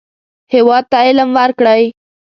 هېواد ته علم ورکړئ